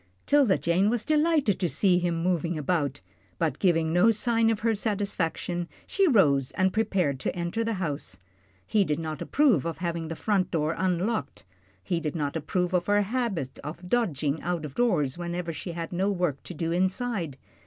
'Tilda Jane was delighted to see him moving about, but, giving no sign of her satisfaction, she rose and prepared to enter the house. He did not approve of having the front door unlocked, he did not approve of her habit of dodging out of doors whenever she had no work to do inside.